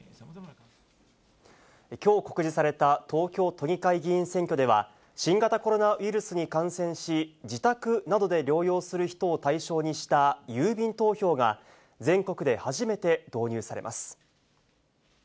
きょう告示された東京都議会議員選挙では、新型コロナウイルスに感染し、自宅などで療養する人を対象にした郵便投票が、全国で初めて導入されます。